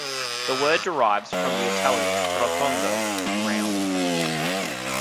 The word derives from the Italian "rotondo," "round.